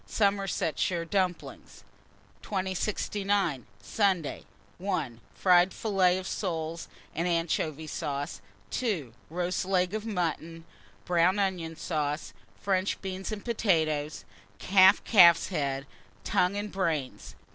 Somersetshire dumplings. 2069. Sunday. 1. Fried filleted soles and anchovy sauce. 2. Roast leg of mutton, brown onion sauce, French beans, and potatoes; half calf's head, tongue, and brains.